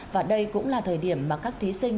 và đây cũng là thời điểm mà các thí sinh